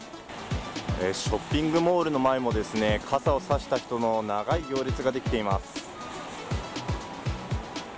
ショッピングモールの前も、傘を差した人の長い行列が出来ています。